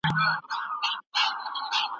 دوی باید د خپل ژوند ساتنه وکړي.